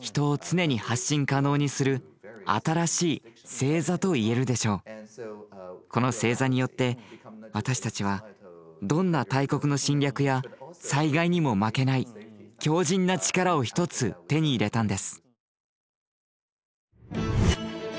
これは例えばこの星座によって私たちはどんな大国の侵略や災害にも負けない強靱な力を一つ手に入れたんです。